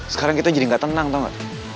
sekarang kita jadi ga tenang tau ga